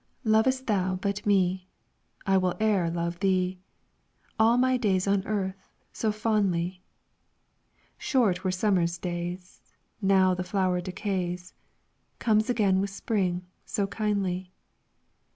"Lovest thou but me, I will e'er love thee, All my days on earth, so fondly; Short were summer's days, Now the flower decays, Comes again with spring, so kindly.